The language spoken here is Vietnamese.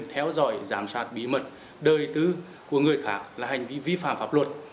theo dõi giám sát bí mật đời tư của người khác là hành vi vi phạm pháp luật